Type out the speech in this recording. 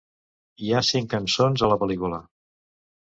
Hi ha cinc cançons a la pel·lícula.